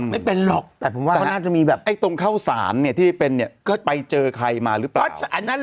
ไม่เป็นหรอกแต่ผมว่าเขาน่าจะมีแบบไอ้ตรงเข้าสารเนี่ยที่เป็นเนี่ยก็ไปเจอใครมาหรือเปล่า